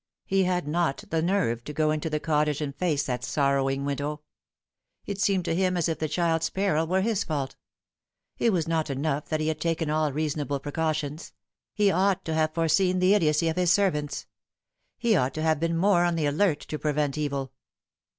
He had not the nerve to go into the cottage and face that sorrowing widow. It seemed to him as if the child's peril were his fault. It was not enough that he had taken all reasonable precautions. He ought to have foreseen the idiocy of his servants. He ought to have been more'on the alert to prevent evil.